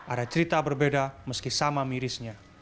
ada cerita berbeda meski sama mirisnya